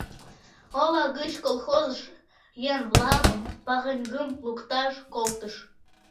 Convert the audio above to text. Ола гыч колхозыш еҥ-влакым пареҥгым лукташ колтышт.